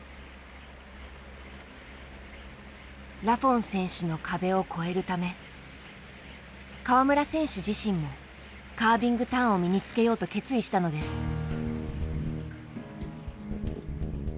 ラフォン選手の壁を越えるため川村選手自身もカービングターンを身につけようと決意したのです。